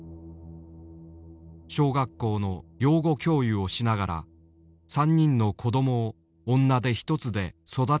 小学校の養護教諭をしながら３人の子供を女手一つで育てていた。